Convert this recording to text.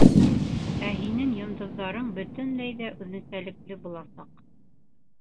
Ә һинең йондоҙҙарың бөтөнләй ҙә үҙенсәлекле буласаҡ...